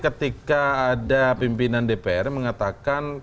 ketika ada pimpinan dpr mengatakan